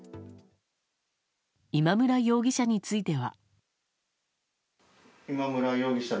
今村容疑者については。